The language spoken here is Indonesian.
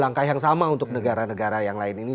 langkah yang sama untuk negara negara yang lain ini